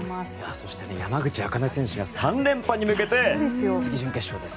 そして、山口茜選手が３連覇に向けて次、準決勝です。